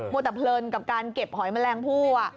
มุตตะเพลินกับการเก็บหอยแมลงผู้อ่ะ